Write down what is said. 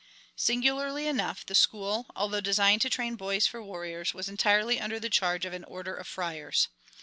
Singularly enough the school, although designed to train boys for warriors, was entirely under the charge of an order of Friars.